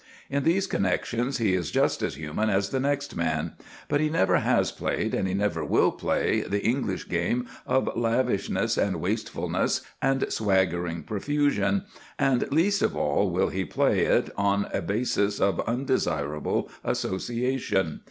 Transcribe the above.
In these connections he is just as human as the next man; but he never has played and he never will play the English game of lavishness and wastefulness and swaggering profusion, and, least of all, will he play it on a basis of undesirable association.